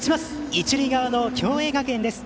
一塁側の共栄学園です。